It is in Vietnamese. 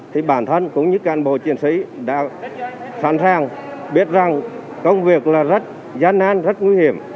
thì bản thân cũng như cán bộ chiến sĩ đã sẵn sàng biết rằng công việc là rất gian an rất nguy hiểm